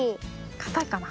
かたいかな？